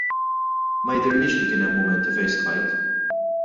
Ma jidhirlix li kien hemm mumenti fejn stħajt.